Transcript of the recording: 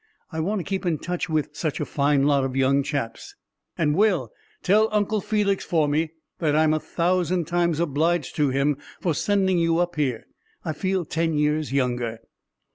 I want to keep in touch with such a fine lot of young chaps. And, Will, tell Uncle Felix for me that I'm a thousand times obliged to him for sending you up here. I feel ten years younger."